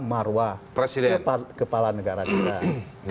marwah kepala negara kita